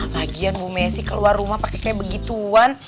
lagian bu messi keluar rumah pakai kayak begituan